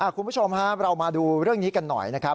คุณผู้ชมครับเรามาดูเรื่องนี้กันหน่อยนะครับ